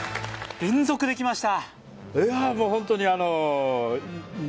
連続できました